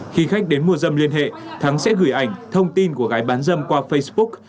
khi khách đến mua dâm liên hệ thắng sẽ gửi ảnh thông tin của gái bán dâm qua facebook